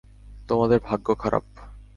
তোমাদের ভাগ্য খারাপ।